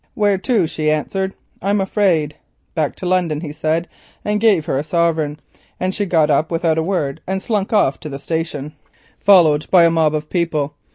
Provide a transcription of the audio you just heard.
"'Where to?' she answered. 'I'm afraid.' "'Back to London,' he said, and gave her a sovereign, and she got up without a word and slunk off to the station followed by a mob of people.